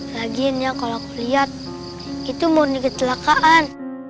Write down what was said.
laginya kalau aku lihat itu murni kecelakaan